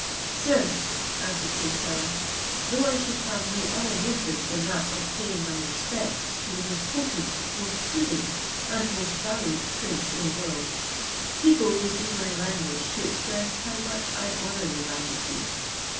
"Sir," answered King Saleh, "though I should have no other motive than that of paying my respects to the most potent, most prudent, and most valiant prince in the world, feeble would be my language to express how much I honour your majesty.